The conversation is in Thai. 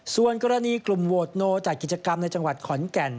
ส่วนกรณีกลุ่มโหวตโนจากกิจกรรมในจังหวัดขอนแก่น